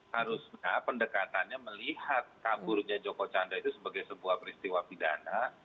harusnya pendekatannya melihat kaburnya joko chandra itu sebagai sebuah peristiwa pidana